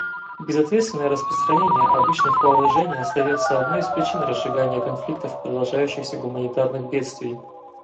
Безответственное распространение обычных вооружений остается одной из причин разжигания конфликтов и продолжающихся гуманитарных бедствий.